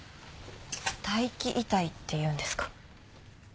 待機遺体っていうんですか。